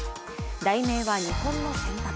題名は「日本の選択」。